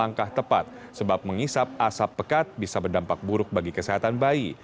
langkah tepat sebab mengisap asap pekat bisa berdampak buruk bagi kesehatan bayi